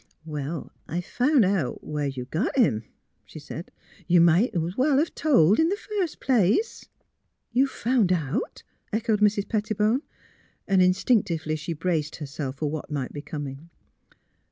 '' Well, I've found out where you got him," she said. '' You might 's well 've told in the first place." '' You've found out? " echoed Mrs. Pettibone. Instinctively she braced herself for what might be coming.